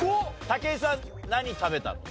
武井さん何食べたの？